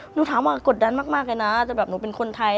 หนูถามว่ากดดันมากเลยนะแต่แบบหนูเป็นคนไทย